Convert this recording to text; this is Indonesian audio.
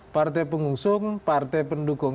partai pengusung partai pendukung